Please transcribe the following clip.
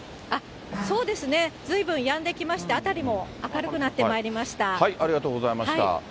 そうですね、ずいぶんやんできまして、ありがとうございました。